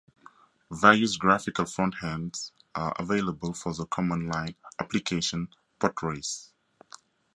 Various graphical frontends are available for the command-line application Potrace.